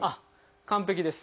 完璧です。